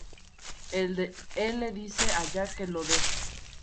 Él le dice a Jack que lo deje.